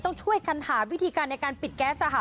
ต้องช่วยกันหาวิธีการในการปิดแก๊ส